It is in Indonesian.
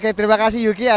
oke terima kasih yuki atas